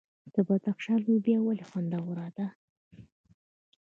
د بدخشان لوبیا ولې خوندوره ده؟